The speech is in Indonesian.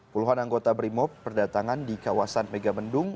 puluhan anggota brimob berdatangan di kawasan megamendung